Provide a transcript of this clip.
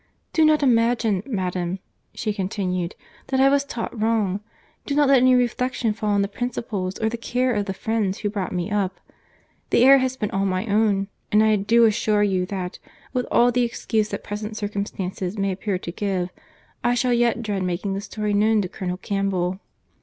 'Do not imagine, madam,' she continued, 'that I was taught wrong. Do not let any reflection fall on the principles or the care of the friends who brought me up. The error has been all my own; and I do assure you that, with all the excuse that present circumstances may appear to give, I shall yet dread making the story known to Colonel Campbell.